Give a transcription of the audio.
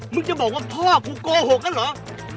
อ๋อมึงจะบอกว่าพ่อพูโกหกนั้นเหรอ